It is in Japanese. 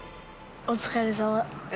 お疲れさま。